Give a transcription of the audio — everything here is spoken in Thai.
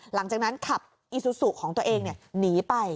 หลังจากนั้นขับอีซูซูของตัวเองหนีไป